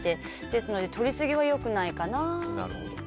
なので、とりすぎはよくないかな。